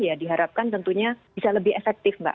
ya diharapkan tentunya bisa lebih efektif mbak